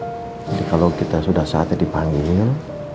jadi kalau kita sudah saatnya dipanggil